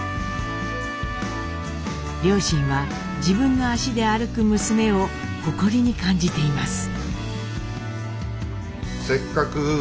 両親は自分の足で歩く娘を誇りに感じています。